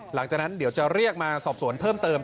หลังจากนั้นเดี๋ยวจะเรียกมาสอบสวนเพิ่มเติม